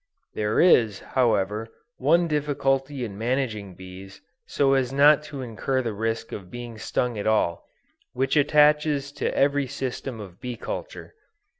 There is, however, one difficulty in managing bees so as not to incur the risk of being stung at all, which attaches to every system of bee culture.